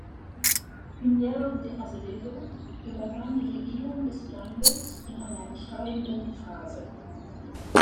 Pinheiro de Azevedo übernahm die Regierung des Landes in einer entscheidenden Phase.